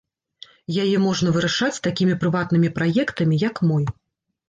Яе можна вырашаць такімі прыватнымі праектамі, як мой.